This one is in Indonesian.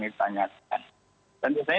ditanyakan dan biasanya